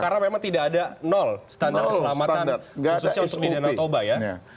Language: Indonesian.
karena memang tidak ada nol standar keselamatan khususnya untuk di danau toba ya